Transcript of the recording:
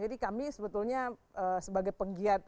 jadi kami sebetulnya sebagai penggiat